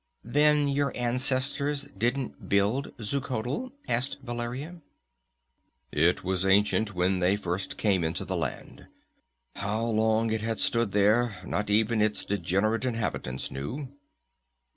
"Then your ancestors didn't build Xuchotl?" asked Valeria. "It was ancient when they first came into the land. How long it had stood here, not even its degenerate inhabitants knew."